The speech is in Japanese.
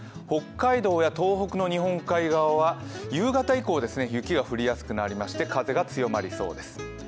北海道や東北の日本海側は夕方以降雪が降りやすくなりまして風が強まりそうです。